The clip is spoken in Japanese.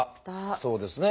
そうですね